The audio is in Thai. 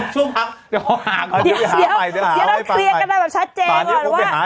ช่วงพักเดี๋ยวพอหา